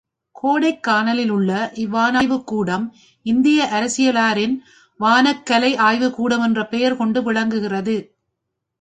கோடைக்கானலிலுள்ள இவ்வானாய்வுக் கூடம், இந்திய அரசியலாரின் வானக்கலை ஆய்வுக்கூடம் என்ற பெயர் கொண்டு விளங்குகிறது.